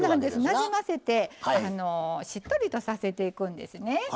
なじませてしっとりとさせていくんですね。